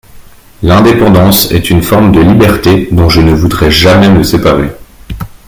L'indépendance est une forme de liberté dont je ne voudrais jamais me séparer.